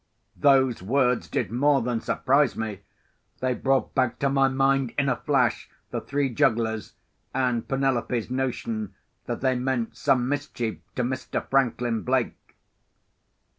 Those words did more than surprise me. They brought back to my mind, in a flash, the three jugglers, and Penelope's notion that they meant some mischief to Mr. Franklin Blake.